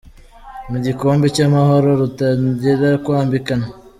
Mu gikombe cy’Amahoro ruratangira kwambikana